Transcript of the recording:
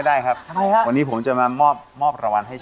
แล้วโบทนี้คือทุกษิตที่รักใคร